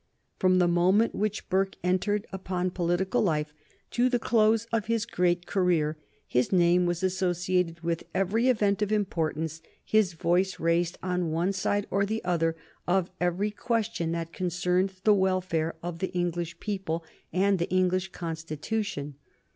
From the moment when Burke entered upon political life to the close of his great career, his name was associated with every event of importance, his voice raised on one side or the other of every question that concerned the welfare of the English people and the English Constitution.